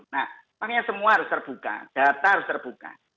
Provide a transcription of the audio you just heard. nah makanya semua harus terbuka data harus terbuka